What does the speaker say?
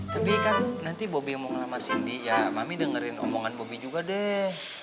tapi kan nanti bobby omong ngelamar cindy ya mami dengerin omongan bobi juga deh